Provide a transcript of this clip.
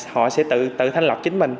họ sẽ tự thanh lọt chính mình